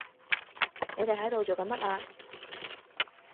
你哋喺度做緊乜啊？